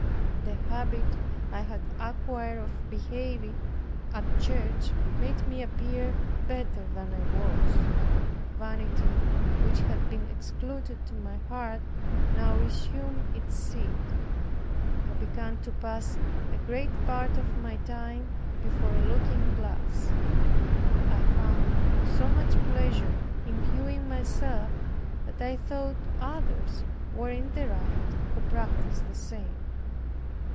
The habit I had acquired of behaving at church made me appear better than I was. Vanity, which had been excluded to my heart now resumed its seat. I began to pass a great part of my time before a looking glass. I found so much pleasure in viewing myself, that I thought others were in the right who practiced the same.